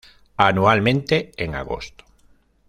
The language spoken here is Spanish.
Anualmente en agosto.